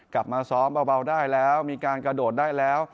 กลับมาซ้อมเบาได้แล้วมีการกระโดดได้แล้ว